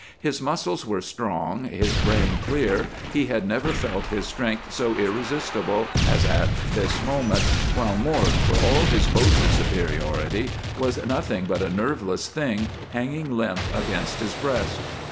His muscles were strong, his brain clear, he had never felt his strength so irresistible as at this moment, while Mort, for all his boasted superiority, was nothing but a nerveless thing hanging limp against his breast.